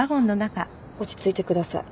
落ち着いてください。